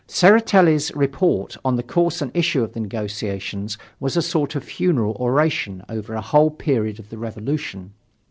Tseretelli's report on the course and issue of the negotiations was a sort of funeral oration over a whole period of the Revolution.